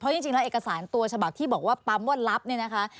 จริงแล้วเอกสารตัวฉบับที่บอกว่าปั๊มว่ารับเนี่ยนะคะ